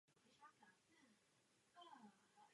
Časem se jich však začali bát.